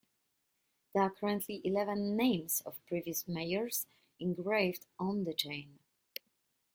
There are currently eleven names of previous mayors engraved on the chain.